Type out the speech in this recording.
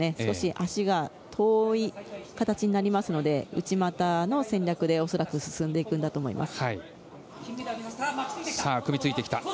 足が遠い形になりますので内股の戦略で恐らく進んでいくと思います。